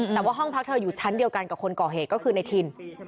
แต่ว่าห้องพักเธออยู่ชั้นเดียวกันกับคนก่อเหตุก็คือในทิน